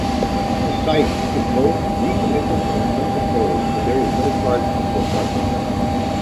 The site is both decommissioned and uncontrolled, and there is no charge for parking.